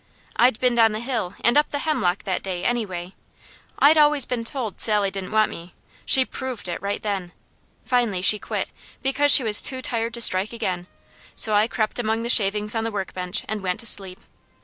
I'd been down the hill and up the hemlock that day, anyway. I'd always been told Sally didn't want me. She PROVED it right then. Finally she quit, because she was too tired to strike again, so I crept among the shavings on the work bench and went to sleep.